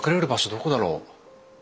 どこだろう。